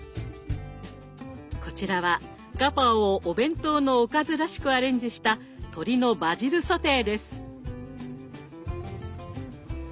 こちらはガパオをお弁当のおかずらしくアレンジした鶏のバジルソテーです。